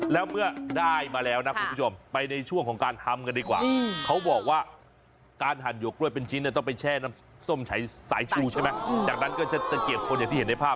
แล้วเมื่อได้มาแล้วนะคุณผู้ชมไปในช่วงของการทำกันดีกว่าเขาบอกว่าการหั่นหวกกล้วยเป็นชิ้นต้องไปแช่น้ำส้มสายชูใช่ไหมจากนั้นก็จะตะเกียบคนอย่างที่เห็นในภาพ